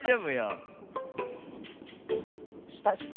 したした！